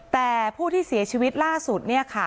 แต่ผู้ที่เสียชีวิตล่าสุด